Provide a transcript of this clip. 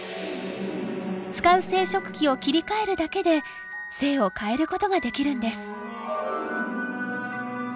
使う生殖器を切り替えるだけで性を変えることができるんです。